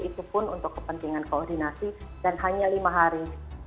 itu pun untuk kepentingan koordinasi dan hanya lima hari